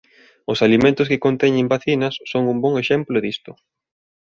Os alimentos que conteñan vacinas son un bo exemplo disto.